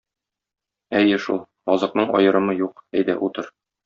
Әйе шул, азыкның аерымы юк, әйдә, утыр.